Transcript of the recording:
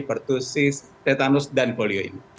pertusis tetanus dan polio ini